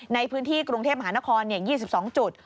ในพื้นที่กรุงเทพมหานคร๒๒จุด